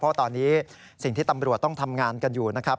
เพราะตอนนี้สิ่งที่ตำรวจต้องทำงานกันอยู่นะครับ